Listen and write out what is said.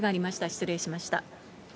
失礼しました。